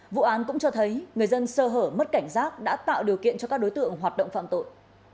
vụ án cũng cho thấy người dân sơ hở mất cảnh giác đã tạo điều kiện cho các đối tượng hoạt động phạm tội